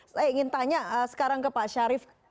saya ingin tanya sekarang ke pak syarif